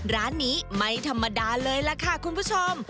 ร้านนี้ไม่ธรรมดาเลยล่ะค่ะคุณผู้ชม